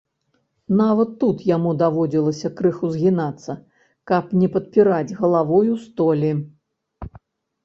Нават тут яму даводзілася крыху згінацца, каб не падпіраць галавою столі.